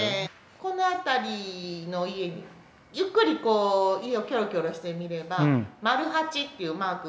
この辺りの家にゆっくり家をキョロキョロして見ればマルハチっていうマークがあるんです。